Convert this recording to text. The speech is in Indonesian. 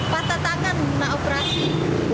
patah tangan nak operasi